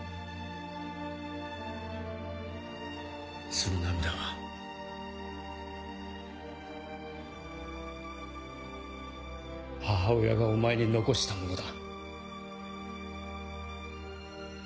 その涙は母親がお前に残したものだ。